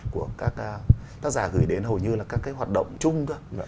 của các tác giả gửi đến hầu như là các cái hoạt động chung thôi